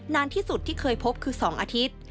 นานที่สุดที่เคยพบคือ๒อาทิตย์